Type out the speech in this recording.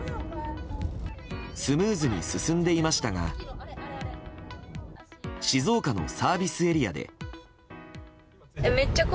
スムーズに進んでいましたが静岡のサービスエリアで。